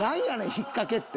引っ掛けって。